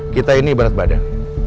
kita ini ibarat badan